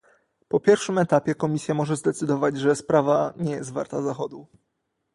po pierwszym etapie Komisja może zdecydować, że sprawa nie jest warta zachodu